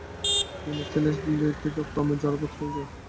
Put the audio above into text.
দিনরাত ছেলের দলে থেকে ক্রমে জড়বৎ হয়ে যায়।